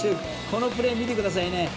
このプレー見てください。